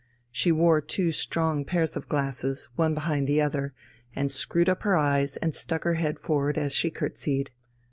She wore two strong pairs of glasses, one behind the other, and screwed up her eyes and stuck her head forward as she curtseyed.